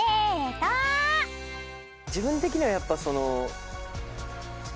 自分的にはやっぱその。